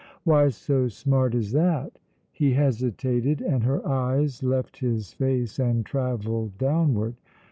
"Why so smart as that?" He hesitated, and her eyes left his face and travelled downward.